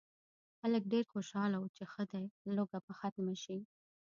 خلک ډېر خوشاله وو چې ښه دی لوږه به ختمه شي.